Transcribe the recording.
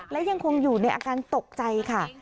และยังคงอยู่ในอาการตกใจค่ะ